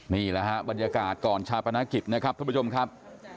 นี่แหละฮะบรรยากาศก่อนชาปนกิจนะครับท่านผู้ชมครับ